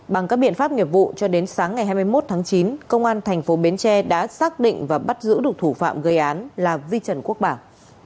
bằng các biện pháp nghiệp vụ cho đến sáng ngày hai mươi một tháng chín công an thành phố bến tre đã xác định và bắt giữ được thủ phạm gây án là vi trần quốc bảo